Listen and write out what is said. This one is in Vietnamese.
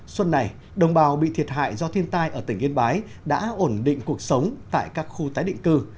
xuân này đồng bào bị thiệt hại do thiên tai ở tỉnh yên bái đã ổn định cuộc sống tại các khu tái định cư